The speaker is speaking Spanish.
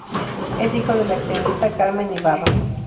Es hijo de la extenista Carmen Ibarra.